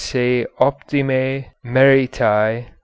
Se . Optime . Meritae